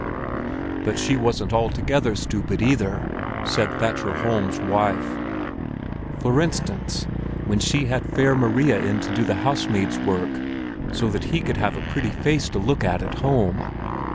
"But she wasn't altogether stupid either," said Thatcher Holm's wife. "For instance when she had Fair Maria in to do housemaid's work, so that he could have a pretty face to look at at home.